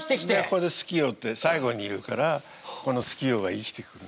ここで「好きよ」って最後に言うからこの「好きよ」が生きてくる。